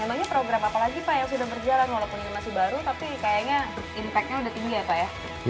apalagi pak yang sudah berjalan walaupun ini masih baru tapi kayaknya impact nya udah tinggi ya pak ya